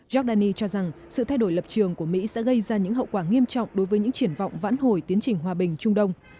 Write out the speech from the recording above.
giordani cho rằng sự thay đổi lập trường của mỹ sẽ gây ra những hậu quả nghiêm trọng đối với những triển vọng vãn hồi tiến trình hòa bình trung đông